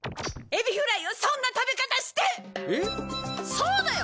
そうだよ！